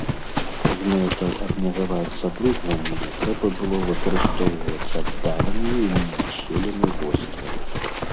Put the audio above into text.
З мэтай абмежаваць забруджванне трэба было выкарыстоўваць аддалены і ненаселены востраў.